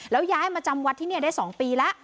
แล้วย้ายมาจำวัดที่นี่ได้๒ปีแล้ว